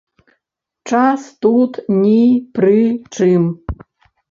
Час тут ні пры чым.